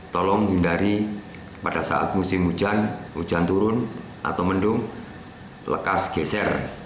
tolong hindari pada saat musim hujan hujan turun atau mendung lekas geser